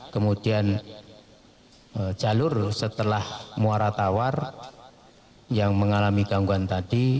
kemudian jalur setelah muara tawar yang mengalami gangguan tadi